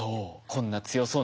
そう。